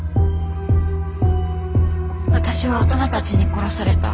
私は大人たちに殺された。